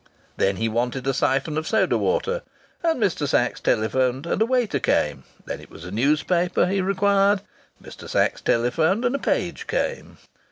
Then he wanted a siphon of soda water, and Mr. Sachs telephoned, and a waiter came. Then it was a newspaper he required. Mr. Sachs telephoned and a page came.